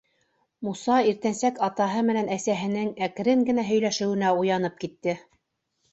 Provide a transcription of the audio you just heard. Муса иртәнсәк атаһы менән әсәһенең әкрен генә һөйләшеүенә уянып китте.